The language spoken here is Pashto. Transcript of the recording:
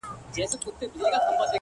له غرونو واوښتم” خو وږي نس ته ودرېدم “